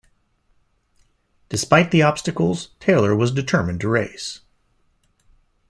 Despite the obstacles, Taylor was determined to race.